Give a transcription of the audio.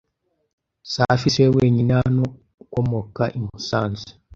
Safi siwe wenyine hano ukomoka i Musanze.